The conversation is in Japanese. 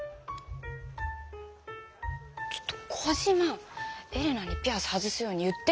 ちょっとコジマエレナにピアス外すように言って！